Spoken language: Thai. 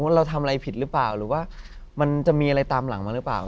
เราทำอะไรผิดหรือเปล่าหรือว่ามันจะมีอะไรตามหลังมาหรือเปล่า